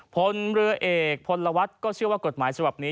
ผลเรือเอกผลวัดก็เชื่อว่ากฎหมายสำหรับนี้